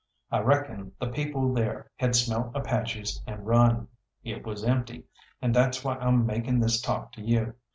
I reckon the people there had smelt Apaches and run. It was empty, and that's why I'm making this talk to you.